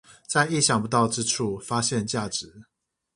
在意想不到之處發現價值